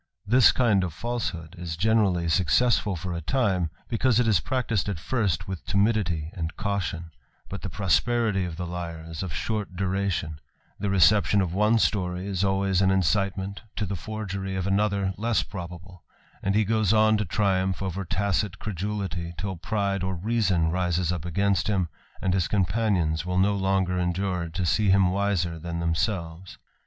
This kind of falsehood is generally successful for a time, because it is practised at first with timidity and caution : but the prosperity of the liar is of short duration ; the reception of one story is always an incitement to the forgery ot another less probable; and he goes on to triumph over tacit credulity, till pride or reason rises up against him, and his companions will no longer endure to see him wiser than themselves.